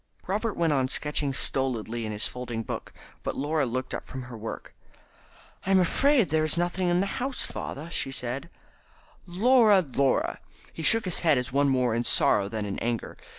Robert went on sketching stolidly in his folding book, but Laura looked up from her work. "I'm afraid there is nothing in the house, father," she said. "Laura! Laura!" He shook his head as one more in sorrow than in anger.